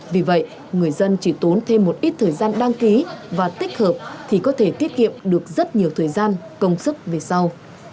vì vậy người dân chỉ tốn thêm một ít thời gian đăng ký và tích hợp thì có thể tiết kiệm được rất nhiều thời gian công sức về sau